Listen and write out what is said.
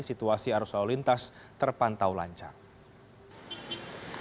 situasi arus lalu lintas terpantau lancar